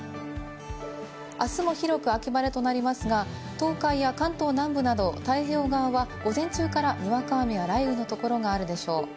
あすも広く秋晴れとなりますが、東海や関東南部など太平洋側は午前中からにわか雨や雷雨のところがあるでしょう。